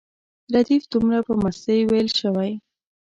ردیف دومره په مستۍ ویل شوی.